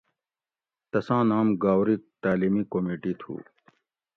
"تساں نام ""گاؤری تعلیمی کمیٹی تھو"